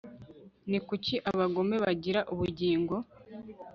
ni kuki abagome bagira ubugingo